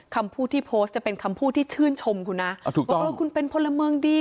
คำพูดที่โพสต์จะเป็นคำพูดที่ชื่นชมคุณนะว่าเออคุณเป็นพลเมืองดี